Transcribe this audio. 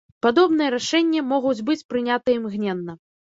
Падобныя рашэнні могуць быць прынятыя імгненна.